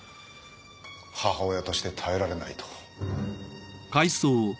母親として耐えられないと。